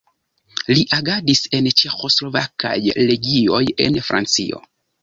Li agadis en ĉeĥoslovakaj legioj en Francio.